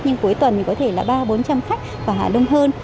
nhưng cuối tuần thì có thể là ba trăm linh bốn trăm linh khách và đông hơn